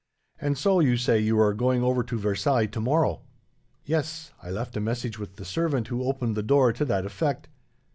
And so, you say you are going over to Versailles tomorrow?" "Yes. I left a message with the servant who opened the door, to that effect.